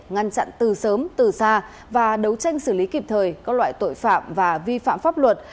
ngăn chặn từ sớm từ xa và đấu tranh xử lý kịp thời các loại tội phạm và vi phạm pháp luật